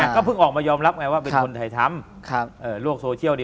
ก็เพิ่งออกมายอมรับไงว่าเป็นคนไทยทำโลกโซเชียล